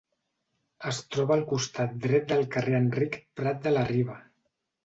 Es troba al costat dret del carrer Enric Prat de la Riba.